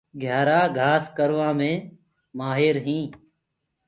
گهيآرآ گھآس ڪروآ ڪآ مآهر هينٚ۔